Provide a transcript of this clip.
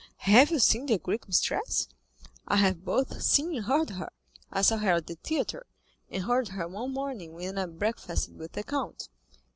"Have you seen the Greek mistress?" "I have both seen and heard her. I saw her at the theatre, and heard her one morning when I breakfasted with the count."